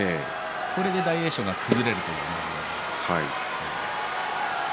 それで大栄翔が崩れるという。